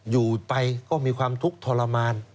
อยู่ไปก็มีความทุกข์ทรมาน